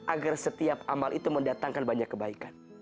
agar setiap amal itu mendatangkan banyak kebaikan